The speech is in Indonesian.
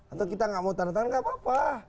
atau kita gak mau tarah taran gak apa apa